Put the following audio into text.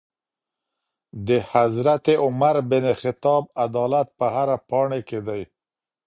د حضرت عمر بن خطاب عدالت په هره پاڼې کي دی.